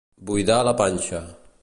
Buidar la panxa.